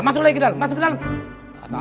masuk lagi ke dalam masuk ke dalam